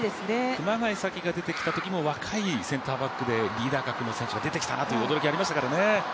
熊谷紗希が出てきたときも若いセンターバックで、リーダー格が出てきたという感じでしたもんね。